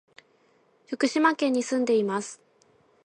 福島県に住んでいます。